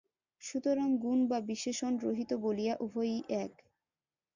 সুতরাং গুণ বা বিশেষণ-রহিত বলিয়া উভয়ই এক।